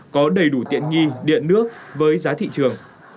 có đầy đủ tiện nghi điện nước với giá thị trường